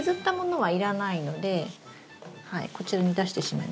はい。